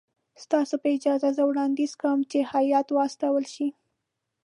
ستاسو په اجازه زه وړاندیز کوم چې هیات واستول شي.